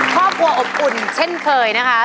ครอบครัวอบอุ่นเช่นเคยนะคะ